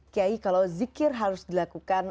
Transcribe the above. kiai kalau zikir harus dilakukan